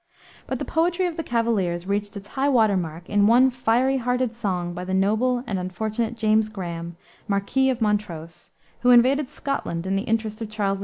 But the poetry of the cavaliers reached its high water mark in one fiery hearted song by the noble and unfortunate James Graham, Marquis of Montrose, who invaded Scotland in the interest of Charles II.